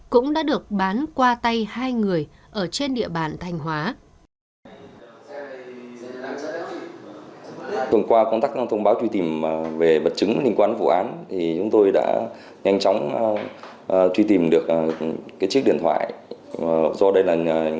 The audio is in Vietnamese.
cũng có thể nằm trong khu vực thành phố thanh hóa